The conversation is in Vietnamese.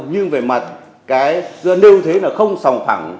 nhưng về mặt cái nêu thế là không sòng phẳng